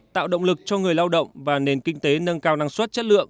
tạo động lực cho người lao động và nền kinh tế nâng cao năng suất chất lượng